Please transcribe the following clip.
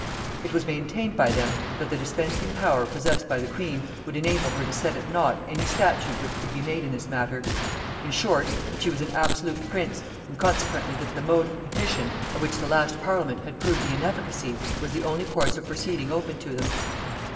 It was maintained by them, that the dispensing power possessed by the queen would enable her to set at nought any statute which could be made in this matter; in short, that she was an absolute prince; and consequently that the mode of petition, of which the last parliament had proved the inefficacy, was the only course of proceeding open to them.